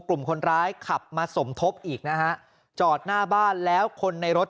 กลุ่มคนร้ายขับมาสมทบอีกนะฮะจอดหน้าบ้านแล้วคนในรถ